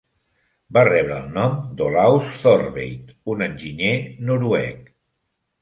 Va rebre el nom d"Olaus Thortveit, un enginyer noruec.